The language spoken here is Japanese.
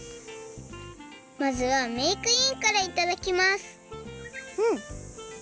まずはメークインからいただきますうん！